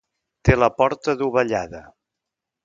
Té la porta dovellada.